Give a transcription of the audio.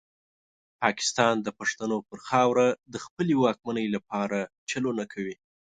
پاکستان د پښتنو پر خاوره د خپلې واکمنۍ لپاره چلونه کوي.